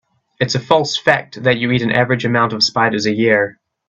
It's a false fact that you eat an average amount of spiders a year.